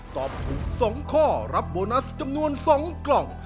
ตอบถูก๒ข้อรับโบนัสจำนวน๒กล่อง